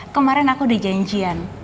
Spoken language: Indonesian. kemarin aku udah janjian